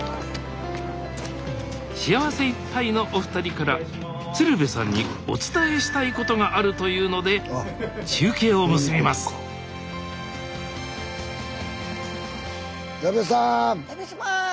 幸せいっぱいのお二人から鶴瓶さんにお伝えしたいことがあるというので矢部さま。